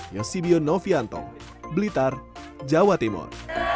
yosibio novianto blitar jawa timur